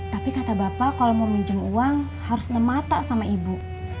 tapi kata bapak kalau mau minjem uang harus nemata sama ibu